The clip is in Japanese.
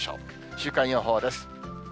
週間予報です。